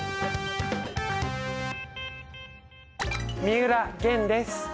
三浦玄です。